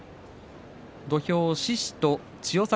土俵は獅司と千代栄。